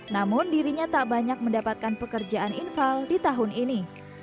namun dirinya tak banyak mendapatkan pekerjaan infal di tahun ini